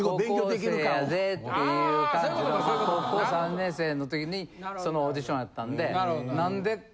高校３年生の時にそのオーディションやったんで。